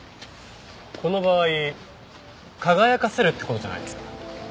この場合輝かせるって事じゃないですか？